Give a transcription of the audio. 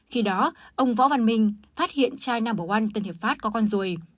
khi đó ông võ văn minh phát hiện chai no một tân hiệp pháp có con ruồi